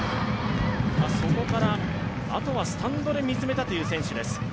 そこから、あとはスタンドで見つめたという選手です。